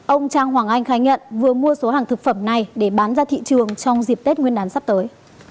ông trang hoàng anh khai nhận vừa mua số hàng thực phẩm này để bán ra thị trường trong dịp tết nguyên đán sắp tới